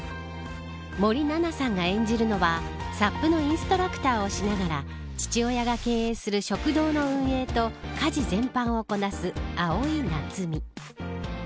森七菜さんが演じるのはサップのインストラクターをしながら父親が経営する食堂の運営と家事全般をこなす蒼井夏海。